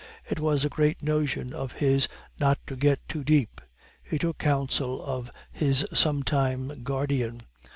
It was a great notion of his 'not to get too deep.' He took counsel of his sometime guardian.